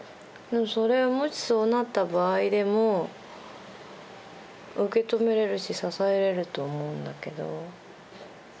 もしそうなった場合でも受け止めれるし支えれると思うんだけど。